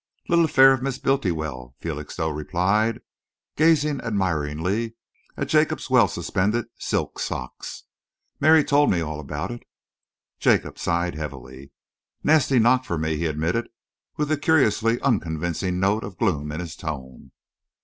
"Little affair of Miss Bultiwell," Felixstowe replied, gazing admiringly at Jacob's well suspended silk socks. "Mary told me all about it." Jacob sighed heavily. "Nasty knock for me," he admitted, with a curiously unconvincing note of gloom in his tone.